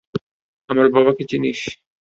আমার বাবাকে চিনিস?